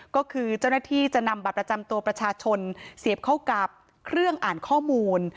ก็คือเจ้าหน้าที่จะนำบัตรประจำตัวประชาชนเสียบเข้ากับเครื่องอ่านข้อมูล